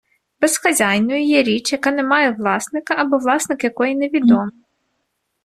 Безхазяйною є річ, яка не має власника або власник якої невідомий.